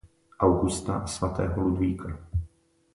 Augusta a Svatého Ludvíka.